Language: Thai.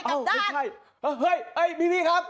เอ้อเฮ้ยพี่ครับ